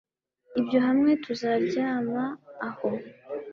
Ibyo hamwe tuzaryama aho